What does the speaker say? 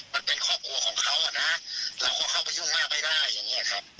มันเป็นครอบครัวของเขาอ่ะนะเราก็เข้าไปยุ่งมากไม่ได้อย่างเงี้ยครับ